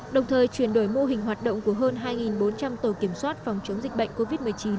đồng thời chuyển đổi mô hình hoạt động của hơn hai bốn trăm linh tổ kiểm soát phòng chống dịch bệnh covid một mươi chín